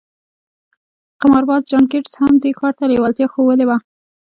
قمارباز جان ګيټس هم دې کار ته لېوالتيا ښوولې وه.